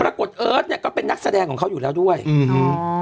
เอิร์ทเนี้ยก็เป็นนักแสดงของเขาอยู่แล้วด้วยอืม